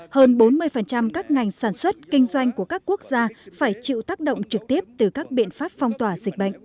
hơn bốn mươi các ngành sản xuất kinh doanh của các quốc gia phải chịu tác động trực tiếp từ các biện pháp phong tỏa dịch bệnh